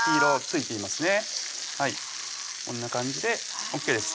こんな感じでＯＫです